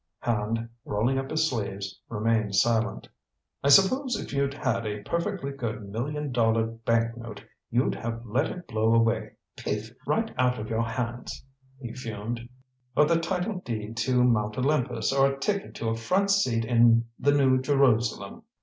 Hand, rolling up his sleeves, remained silent. "I suppose if you'd had a perfectly good million dollar bank note, you'd have let it blow away piff! right out of your hands!" he fumed. "Or the title deed to Mount Olympus or a ticket to a front seat in the New Jerusalem.